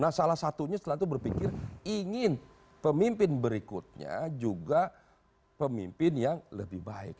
nah salah satunya selalu berpikir ingin pemimpin berikutnya juga pemimpin yang lebih baik